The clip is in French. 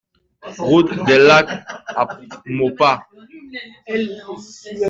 Route des Lacs à Maupas